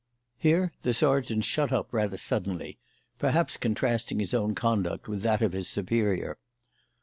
Here the sergeant shut up rather suddenly perhaps contrasting his own conduct with that of his superior.